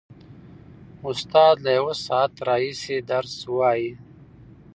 استاد له یوه ساعت راهیسې درس وايي.